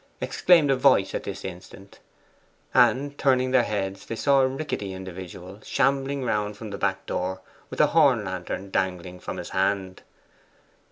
exclaimed a voice at this instant; and, turning their heads, they saw a rickety individual shambling round from the back door with a horn lantern dangling from his hand.